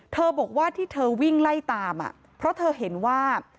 บอกว่าที่เธอวิ่งไล่ตามเพราะเธอเห็นว่า